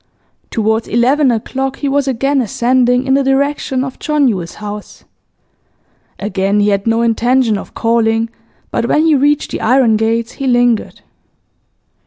Towards eleven o'clock he was again ascending in the direction of John Yule's house. Again he had no intention of calling, but when he reached the iron gates he lingered.